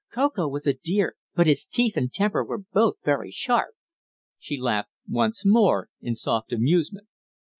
Ko Ko was a dear, but his teeth and his temper were both very sharp!" She laughed once more in soft amusement.